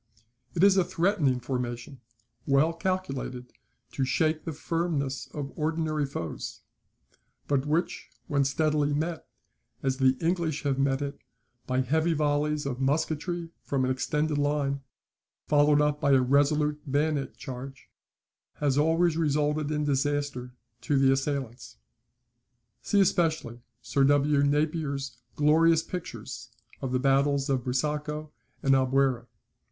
It is a threatening formation, well calculated to shake the firmness of ordinary foes; but which, when steadily met, as the English have met it, by heavy volleys of musketry from an extended line, followed up by a resolute bayonet charge, has always resulted in disaster to the assailants. [See especially Sir W. Napier's glorious pictures of the battles of Busaco and Albuera.